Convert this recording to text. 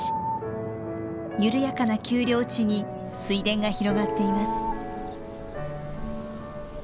緩やかな丘陵地に水田が広がっています。